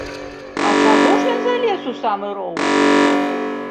А чаго ж ён залез у самы роў?